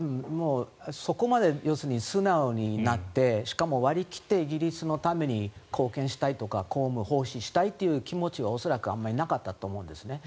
そこまで要するに素直になってしかも割り切ってイギリスのために貢献したいとか公務で奉仕したいという気持ちが恐らくあまりなかったと思うんですね。